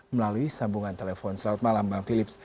melalui sambungan telepon selamat malam bang philips